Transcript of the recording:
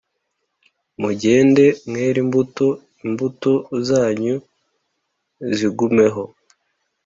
mugende mwere imbuto imbuto zanyu zigumeho